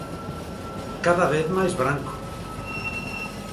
Cada vez máis branco.